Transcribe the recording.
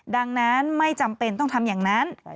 ดังนั้นไม่จำเป็นต้องทำอย่างนั้น